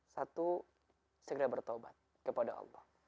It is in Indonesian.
satu segera bertobat kepada allah